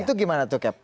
itu gimana tuh cap